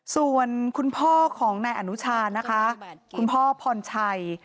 ส่วนคุณพ่อของนายอนุชานะคะคุณพ่อพรชัย